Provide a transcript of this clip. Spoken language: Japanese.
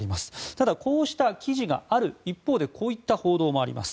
ただこうした記事がある一方こういった報道もあります。